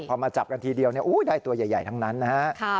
พอมาจับกันทีเดียวได้ตัวใหญ่ทั้งนั้นนะฮะ